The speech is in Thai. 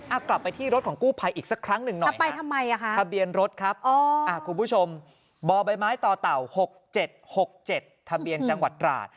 เอากลับไปที่รถของกู้ภัยอีกสักครั้งหนึ่งหน่อยจะไปทำไมอ่ะคะทะเบียนรถครับคุณผู้ชมบ่อใบไม้ต่อเต่า๖๗๖๗ทะเบียนจังหวัดตราด